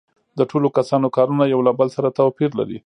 د ټولو کسانو کارونه یو له بل سره توپیر لري